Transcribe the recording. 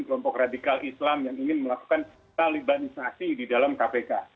kelompok radikal islam yang ingin melakukan talibanisasi di dalam kpk